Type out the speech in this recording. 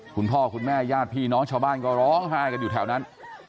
คุณพ่อคุณแม่ญาติพี่น้องชาวบ้านก็ร้องไห้กันอยู่แถวนั้น